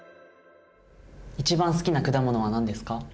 一番好きな果物は何ですか？